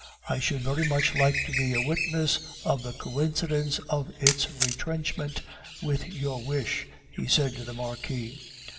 "I should very much like to be a witness of the coincidence of its retrenchment with your wish," he said to the Marquis.